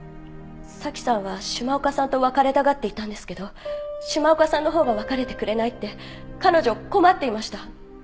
早紀さんは島岡さんと別れたがっていたんですけど島岡さんのほうが別れてくれないって彼女困っていました。